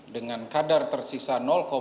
dengan kadar tersisa dua